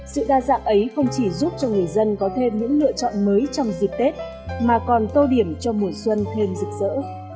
sự đa dạng ấy không chỉ giúp cho người dân có thêm những lựa chọn mới trong dịp tết mà còn tô điểm cho mùa xuân thêm rực rỡ